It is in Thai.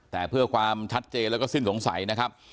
แต่เพื่อความชัดเจนแล้วก็สิ้นสงสัยนะครับ